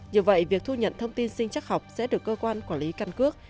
như vậy việc thu nhận thông tin sinh chắc học sẽ được cơ quan quản lý căn cước